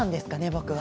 僕は。